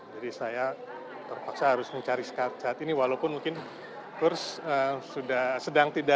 jadi saya terpaksa harus mencari saat ini walaupun mungkin kurs sudah sedang tidak bagus ya untuk pembelian gitu ya